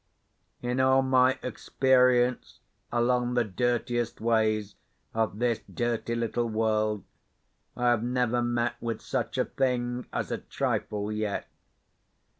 In all my experience along the dirtiest ways of this dirty little world, I have never met with such a thing as a trifle yet.